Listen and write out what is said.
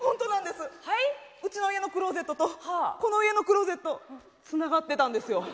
うちの家のクローゼットとこの家のクローゼットつながってたんですよ。